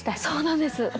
そうなんです。